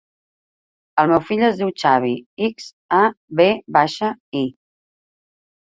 El meu fill es diu Xavi: ics, a, ve baixa, i.